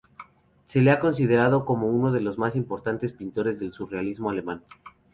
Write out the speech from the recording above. Se le ha considerado como uno de los más importantes pintores del surrealismo alemán.